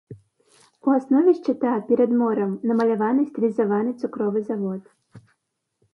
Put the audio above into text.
У аснове шчыта, перад морам, намаляваны стылізаваны цукровы завод.